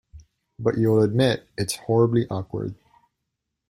But you’ll admit it’s horribly awkward.